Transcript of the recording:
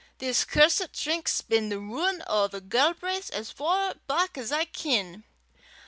This cursit drink's been the ruin o' a' the Galbraiths as far back as I ken.